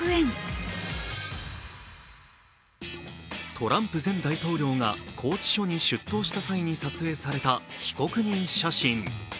トランプ前大統領が拘置所に出頭した際に撮影された被告人写真。